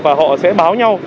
và họ sẽ báo nhau